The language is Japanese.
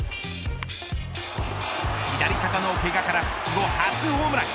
左肩のけがから復帰後初ホームラン。